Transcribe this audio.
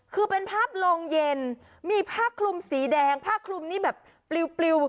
คือเป็นภาพโรงเย็นมีผ้าคลุมสีแดงผ้าคลุมนี่แบบปลิว